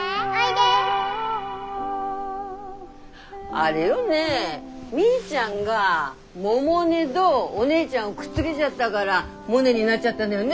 あれよねみーちゃんが百音どお姉ちゃんをくっつげちゃったがらモネになっちゃったのよね？